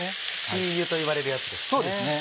鶏油といわれるやつですね。